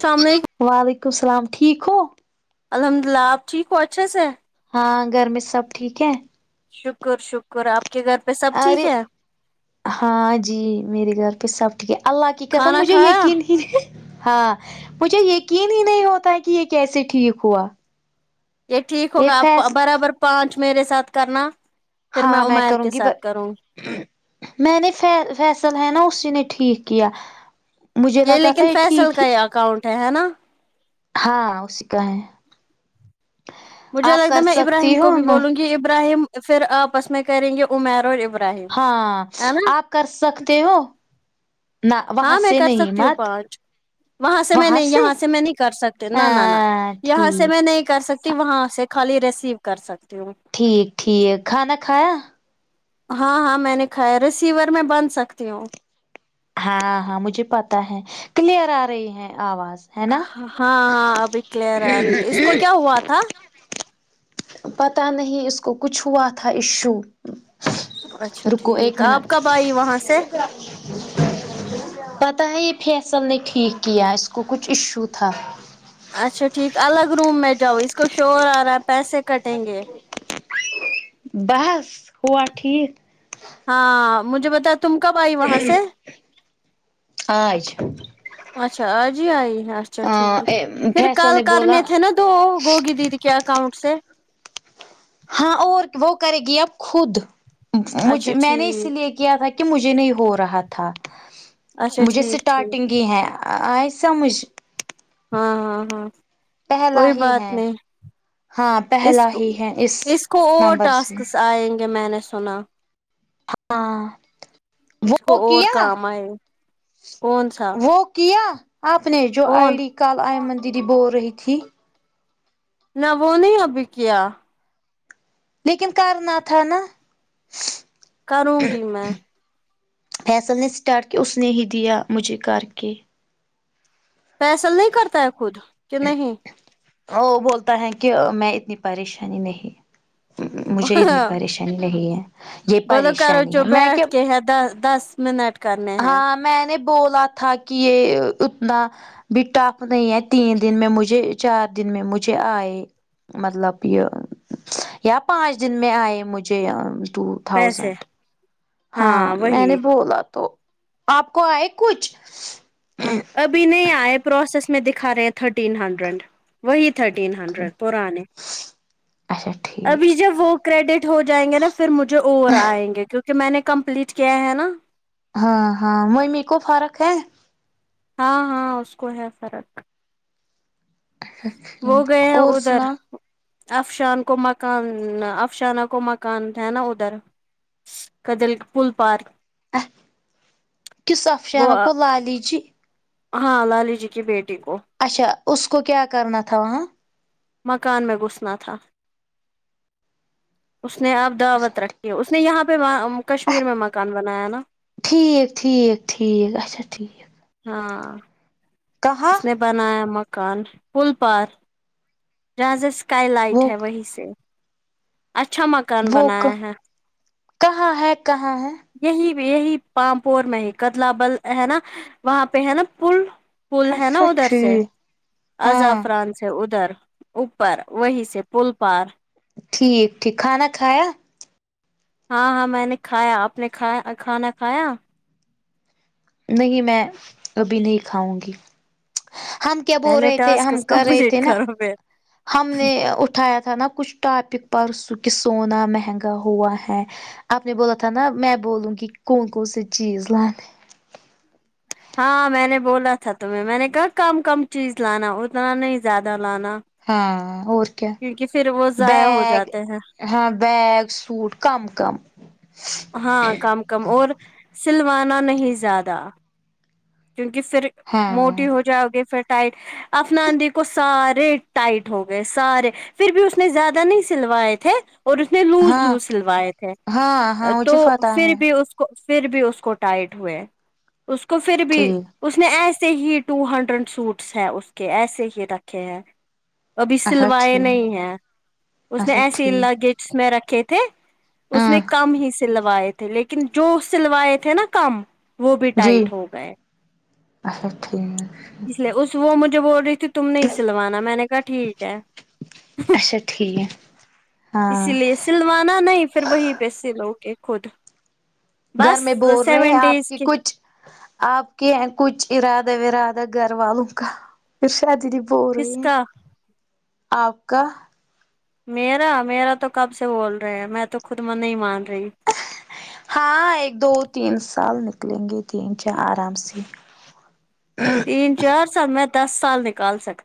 اسلام علیکم وعلیکم السلام ٹھیک ہو الحمد للہ آپ ٹھیک ہو اچھے سے ہاں گھر میں سب ٹھیک ہے شکر شکر آپ کے گھر پہ سب ٹھیک ارے ہے ہاں جی میرے گھر پہ سب ٹھیک ہے اللہ کی قسم کھانا مجھے کھایا یقین ہی ہاں مجھے یقین ہی نہیں ہوتا کہ یہ کیسے ٹھیک ہوا یہ ٹھیک یہ ہوگا آپ فیص برابر پانچ میرے ساتھ کرنا پھر میں ہاں عمیر کروں کے گی ساتھ کرونگی میں نے فیصل ہے نا اسی نے ٹھیک کیا مجھے یہ لگا تھا لیکن فیصل ٹھیک کا ہی یہ اکاؤنٹ ہے ہینا ہاں اسی کا ہے مجھے آپ لگتا ہے کر میں ابراہیم سکتی کو ہو بھی نا بولوں گی ابراہیم پھر آپس میں کریں گے عمیر اور ابراہ ہاں آپ کر سکتے ہو نہ وہاں ہاں میں سے کر نہیں سکتی ہوں مت پانچ وہاں سے میں نہیں یہاں سے میں نہیں کر سکتے ن نہ نہ ہاں یہاں سے ٹھیک میں نہیں کر سکتی کہ وہاں سے خالی ریسیو کر سکتی ہوں ٹھیک ٹھیک کھانا کھایا ہاں ہاں میں نے کھایا ہے ریسیور میں بن سکتی ہوں ہاں ہاں مجھے پتا ہے کلیئر آ رہی ہے آواز ہے نا ہاں ہاں ابھی کلیئر آ رہی ہے اس کو کیا ہوا تھا پتہ نہیں اس کو کچھ ہوا تھا ایشو اچھا رکو ٹھیک آپ کب آئی وہاں سے پتہ ہے یہ فیصل نے ٹھیک کیا اس کو کچھ ایشو تھا اچھا ٹھیک الگ روم میں جاؤ اس کو شور آ رہا ہے پیسے کٹیں گے بس ہوا ٹھیک ہاں مجھے بتا تم کب آئی وہاں سے آج اچھا آج ہی آئی ہے اچھا ٹھیک پھر فیصل کل نے کرنے بولا تھے نا ا تو گوگی دیدی کیا کؤنٹ سے ہاں اور وہ کرے گی اب خود مجھ اچھا میں نے اس ٹھیک لیے کیا تھا کہ مجھے نہیں ہو رہا تھا اچھا مجھے ٹھیک ٹھیک اسٹارٹنگ ہی ہے آ ی سمجھ ہاں ہاں ہاں پہلا کوئی ہی بات ہے نہیں ہاں اس پہلا کو ہی ہے اس کو اور نمبر سے ٹاسکس آئیں گے میں نے سنا ہاں اس وہ کو اور کیا کام آئے کون سا وہ کیا آپ نے جو کون آئی ڈی کال آئیمن دیدی بول رہی تھی نہ وہ نہیں اب کیا لیکن کر نا تھا نا کروں گی میں فیصل نے اسٹارٹ کیا اس نے ہی دیا مجھے کر کے فیصل نہیں کرتا ہے خود کہ نہیں او بولتا ہے کہ میں اتنی پریشانی نہیں مجھے اتنی پریشانی چل رہی ہے یہ بولو کرو پریشانی چو ہے میں کہ بیٹھ کے ہے دس دس منٹ کرنے ہیں ہاں میں نے بولا تھا کہ یہ اتنا بھی ٹف نہیں ہے تین دن میں مجھے چار دن میں مجھے آئے مطلب یہ یا پانچ دن میں آئے مجھے تو پیسے ہاں میں نے بولا تو آپ کو آئے کچھ ابھی نہیں آئے پروسیس میں دکھا رہے تھ تھرٹین ہنڈریڈ وہی تھرٹین ہنڈریڈ پرانے اچھا ٹھیک ابھی جب وہ کریڈٹ ہو جائیں گے نا پھر مجھے اور آئیں گے کیونکہ میں نے کمپلیٹ کیا ہے نا ہاں ہاں وہی میں کو فرق ہے ہاں ہاں اس کو ہے فرق وہ گئے ہے اور ادھر سنا افشان کو مکان افشانہ کو مکان تھا نا ادھر قدل پل پارک کس وہ افشانہ کو لالی جی ہاں لالی جی کی بیٹی کو اچھا اس کو کیا کرنا تھا ہاں مکان میں گھوس نا تھا اس نے آپ دعوت رکھی اس نے یہاں پہ کشمیر میں مکان بنایا نا ٹھیک ٹھیک ٹھیک اچھا ٹھیک ہاں کہاں اس نے بنایا مکان فل پار جہاں سے سکائی لائٹ وہ ہے وہی سے اچھا ما وہ کہاں ہے کہاں ہے یہی یہی پامپور میں ہی کتلا بل ہے نا وہاں پہ ہے نا پل پل ہے نا اچھا ادھر سے ٹھیک ہاں اظعفران سے ادھر اوپر وہی سے پل پار ٹھیک ٹھیک کھانا کھایا ہاں ہاں میں نے کھایا آپ نے کھایا کھانا کھایا نہیں میں ابھی نہیں کھاؤں گی ہم کیا بول پہلے رہے تھے ٹاسک ہم کر رہے تھے کمپلیٹ نا کرو میرا ہم نے اٹھایا تھا نا کچھ ٹاپک پرسوں کہ سونا مہنگا ہوا ہے اپ نے بولا تھا نا میں بولوں کہ کون کون سی چیز لانے ہاں میں نے بولا تھا تمھیں میں نے کہا کم کم چیز لانا اتنا نہیں زیادہ لانا ہاں اور کیا کیونکہ پھر وہ ضائع ہو بیگ جاتے ہیں ہاں بیگ سوٹ کم کم ہاں کم کم اور سلوانا نہیں زیادہ کیونکہ پھر ہاں موٹی ہو جاؤ گے پھر ٹائٹ افنا دی کو سارے ٹائٹ ہو گئے سارے پھر بھی اس نے زیادہ نہیں سلوائے تھے اور اس نے لوز ہاں لوز سلوائے تھے ہاں ہاں تو مجھے پتہ پھر ہے بھی اس پھر بھی اس کو ٹائٹ ہوئے اس کو پھر بھی ٹھیک اس نے ایسے ہی ٹو ہنڈریڈ سوٹس ہیں اس کے ایسے ہی رکھے ہیں ابھی اچھا سلوائے نہیں ٹھیک ہیں اس نے اچھا ایسے ہی ٹھیک لگٹس میں رکھے تھے اس ہاں نے کم ہی سلوائے تھے لیکن جو سلوائے تھے نا کم وہ بھی جی ٹائٹ ہو گئے اچھا ٹھیک اس لیے اس وہ مجھے بول رہی تھی تم نے سلوانا میں نے کہا ٹھیک ہے اچھا ٹھیک ہے ہاں مانا نہیں پھر وہی پہ سلو گے خود گھر بس میں بول رہے ہیں سیون آپ ڈیز کے کچھ آپ کے کچھ ارادہ ورادہ گھر والوں کا پھر شادی بول رہی کس ہیں کا آپ کا میرا میرا تو کب سے بول رہے ہے میں تو خود من نہیں مان رہی ہاں ایک دو تین سال نکلیں گے تین چار آرام سے تین چار سال میں دس سال نکال سکتا ہو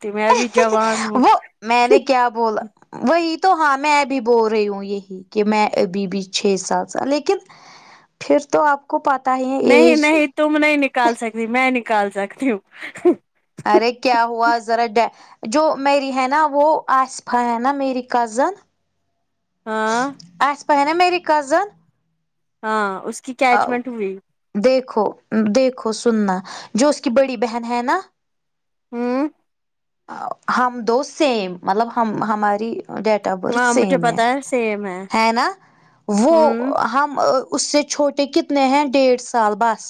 وہ میں نے کیا بولا وہی تو ہاں میں بھی بول رہی ہوں یہی کہ میں ابھی بھی چھ ساتھ سال لیکن پھر تو آپ کو پتہ ہی ہے نہیں ایج نہیں تم نہیں نکال سکتی میں نکال سکتی ہوں ارے کیا ہوا ذرا ڈے جو میری ہے نا وہ آصفا ہے نا میری کزن ہاں آصفہ ہے نا میری کزن ہاں اس کی کیا کیچمنٹ ہوئی دیکھو دیکھو سننا جو اس کی بڑی بہن ہے نا ہوں ہم دو سیم مطلب ہم ہماری ڈی بر ہاں مجھے سیم ہے پتا سیم ہے نا وہ ہوں ہم اس سے چھوٹے کتنے ہیں ڈیڑھ سال بس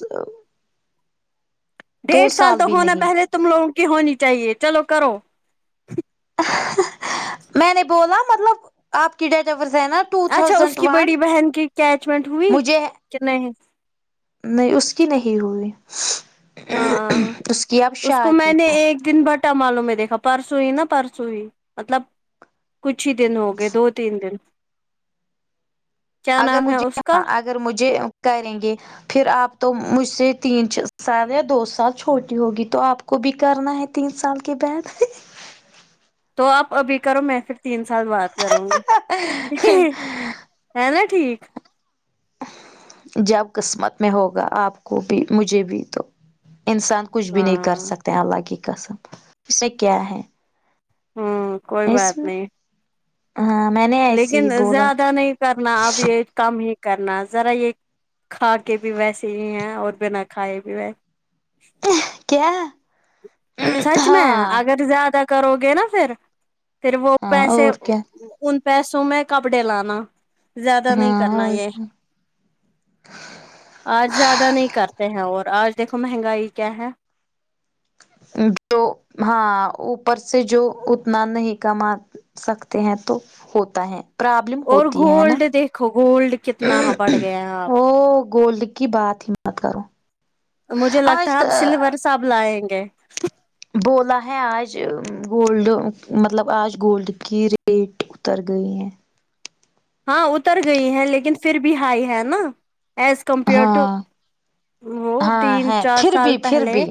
دو ڈیڑھ سال تو بھی ہونا نہیں پہلے تم لوگوں کی ہونی چاہیے چلو کرو میں نے بولا مطلب آپ کی ڈیٹ برس ہے نہ اچھا اس کی بڑی بہن کی اچمنٹ ہوئی مجھے کہ نہیں نہیں اس کی نہیں ہوئی ہاں اس کی اب اس کو شادی میں نے ایک دن بٹ چٹ معلوں میں دیکھا پرسوں ہی نا پرسوں ہی مطلب کچھ ہی دن ہو گئے دو تین دن کیا اگر نام ہے مجھے اس کا ہاں اگر مجھے کریں گے پھر آپ تو مجھ سے تین چا سال یا دو سال چھوٹی ہوگی تو آپ کو بھی کرنا ہے تین سال کے بعد تو آپ ابھی کرو میں پھر تین سال بات کروں گی ہے نا ٹھیک جب قسمت میں ہوگا آپ کو بھی مجھے بھی تو انسان کچھ بھی نہیں کر ہاں سکتے ہیں اللہ کی قسم اس سے کیا ہے ہوں کوئی بات اس میں نہیں ہاں میں نے ایسے ہی لیکن بولا زیادہ تھا نہیں کرنا اب یہ کم ہی کرنا ذرا یہ کھا کے بھی ویسے ہی ہیں اور بنا کھائے بھی ویسے کیا سچ میں ہاں اگر زیادہ کرو گے نا پھر پھر وہ ہاں پیسے اور کیا ان پیسوں میں کپڑے لانا زیادہ نہیں ہاں کرنا اور یہ کیا آج زیادہ نہیں کرتے ہیں اور آج دیکھو مہنگائی کیا ہے جو ہاں اوپر سے جو اتنا نہیں کما سکتے ہیں تو ہوتا ہے پرابلم اور ہوتی ہے نا گولڈ دیکھو گولڈ کتنا بڑھ گیا ہے آپ وہ گولڈ کی بات ہی مت کرو مجھے لگتا ہے آج آپ سلور صاحب لائیں گے بولا ہے آج گولڈ مطلب آج گولڈ کی ریٹ اتر گئی ہیں ہاں اتر گئی ہے لیکن پھر بھی ہائی ہے نا ایز کمپیئر ٹو ہاں وہ ہاں تین ہے چار پھر سال بھی پھر پہلے بھی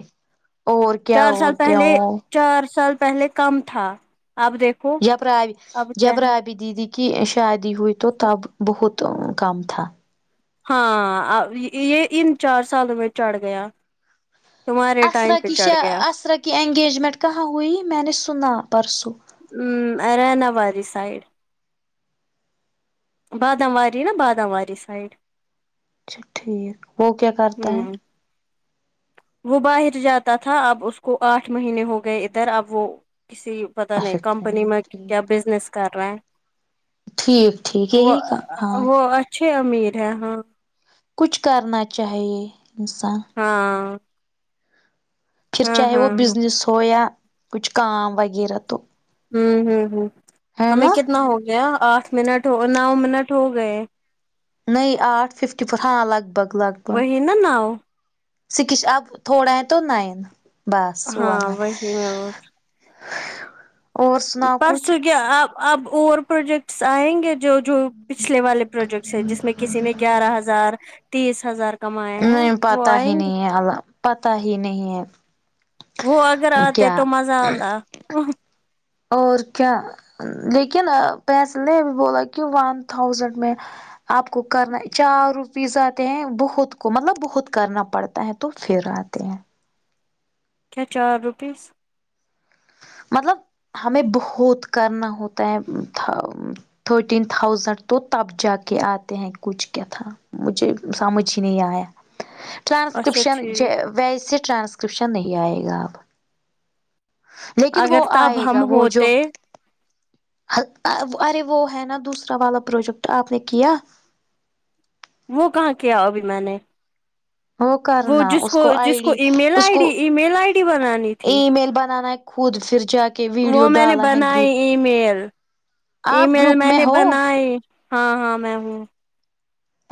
اور کیا چار سال اور کیا پہلے اور چار سال پہلے کم تھا آپ دیکھ جب رابی جب رابی دیدی کی شادی ہوئی تو تب بہت تو کم تھا ہاں یہ ان چار سالوں میں چڑھ گیا تمہارے ٹائم اصرا پہ کی ش چڑھ گیا اصرا کی اننگیجمنٹ کہاں ہوئی میں نے س نا پرسوں اریانابادی سائڈ بادامواری نا بادامواری سائڈ اچھا ٹھیک وہ کیا ہ کرتا ہے وہ باہر جاتا تھا اب اس کو آٹھ مہینے ہو گئے ادھر اب وہ کسی پتا نہیں اچھا کمپنی میں کیا ٹھیک بزنس کر رہے ہیں ٹھیک ٹھیک وہ یہی کا ہاں وہ اچھے امیر ہے ہاں کچھ کرنا چاہیے انسان ہاں پھر ہاں چاہے وہ ہاں بزنس ہو یا کچھ کام وغیرہ تو ہوں ہوں ہوں ہے ہمیں نا کتنا ہو گیا آٹھ منٹ ہو نو منٹ ہو گئے نئی آٹھ ففٹی پور ہاں لگ بھگ لگ بھگ وہی نا نو سکش اب تھوڑا ہے تو نائن بس س ون ہاں وہی میں اور سناؤ کچھ پرسوں کیا آپ اب اور پروجیکٹس آئیں گے جو جو پچھلے والے پروجیکٹس ہے جس میں کسی نے گیارہ ہزار تیس ہزار کمائے ہیں نہیں وہ پتا ہی آئیں گے نہیں ہے ال پت ہی نہیں ہے وہ اگر آتے کیا تو مزہ آتا اور کیا لیکن پیس نے بولا کیوں ون تھاؤزینڈ میں آپ کو کرنا چار روپیز اتے ہیں بہت کو مطلب بہت کرنا پڑتا ہے تو پھر آتے ہیں کیا چار روپیز مطلب ہمیں بہت کرنا ہوتا ہے تھرٹین تھاؤزینڈ تو تب جا کے آتے ہیں کچھ کیا تھا مجھے سمجھ ہی نہیں آیا اچھا ٹرانسکرپشن ٹھیک ویسے ٹرانسکرپشن نہیں آئے گا اب لیکن وہ اگر تب آئے گا ہم وہ جو ہوتے اا ار ارے وہ ہے نا دوسرا والا پروجیکٹ آپ نے کیا وہ کہاں کیا ابھی میں نے وہ کرنا جس اس کو جس آئی ڈی ای میل اس آئی کو D email I D بنانی تھی ای میل بنانا خود پھر جا کے وہ ویڈیو میں نے ڈالا ہے گروپ بنائی ای میل ای آپ میل گروپ میں نے ہو بنائی ہاں ہاں میں ہوں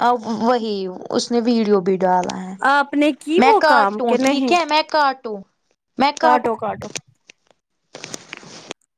ا وہی اس نے ویڈیو بھی ڈالا ہے آپ نے کی میں وہ کام کاٹوں کہ ٹھیک نہیں ہے میں کاٹو کاٹو کاٹو